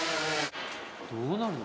どうなるの？